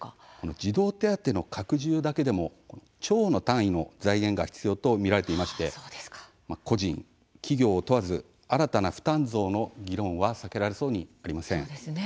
児童手当の拡充だけでも兆の単位の財源が必要と見られていまして個人、企業を問わず新たな負担増の議論は避けられそうにありません。